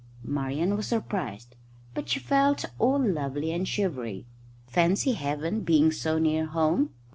Marian was surprised, but she felt all lovely and shivery. Fancy Heaven being so near home!